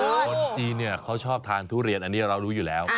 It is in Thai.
คนจีนเนี่ยเขาชอบทานทุเรียนอันนี้เรารู้อยู่แล้ว